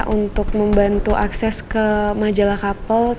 untuk membantu akses ke majalah kapal